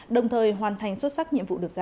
đồng thời hoàn thành xuất sắc nhiệm vụ được giao